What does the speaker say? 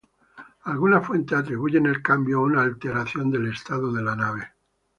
Algunas fuentes atribuyen el cambio a una alteración del estado de la nave.